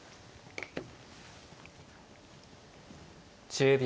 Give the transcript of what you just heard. １０秒。